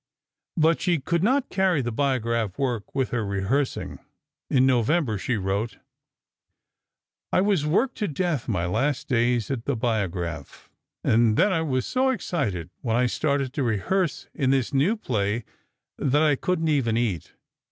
But she could not carry the Biograph work with her rehearsing. In November she wrote: I was worked to death my last days at the Biograph, and then I was so excited when I started to rehearse in this new play that I couldn't even eat.